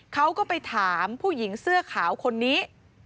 เขาก็ไปถามผู้หญิงเสื้อขาวคนนี้